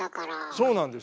そうなんですよね。